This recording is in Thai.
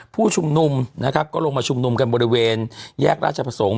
ผู้ชุมนุมนะครับก็ลงมาชุมนุมกันบริเวณแยกราชประสงค์